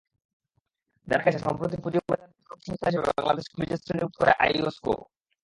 জানা গেছে, সম্প্রতি পুঁজিবাজার নিয়ন্ত্রক সংস্থা হিসেবে বাংলাদেশকে অভিজাত শ্রেণীভুক্ত করে আইওসকো।